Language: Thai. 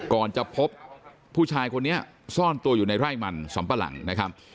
ก่อนจะพบผู้ชายคนนี้ซ่อนตัวอยู่ในไร่มันสำปะหลังนะครับ